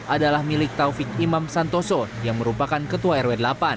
adalah milik taufik imam santoso yang merupakan ketua rw delapan